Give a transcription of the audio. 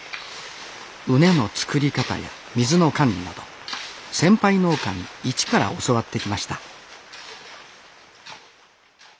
畝の作り方や水の管理など先輩農家に一から教わってきました